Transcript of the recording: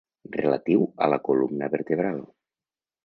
Relatiu a la columna vertebral.